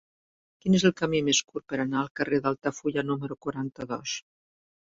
Quin és el camí més curt per anar al carrer d'Altafulla número quaranta-dos?